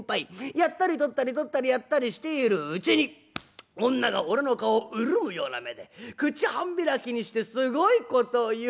やったり取ったり取ったりやったりしているうちに女が俺の顔潤むような目で口半開きにしてすごいことを言う。